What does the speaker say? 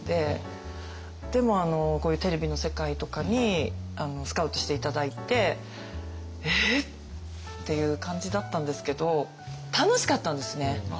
でもこういうテレビの世界とかにスカウトして頂いて「えっ！？」っていう感じだったんですけど楽しかったんですね。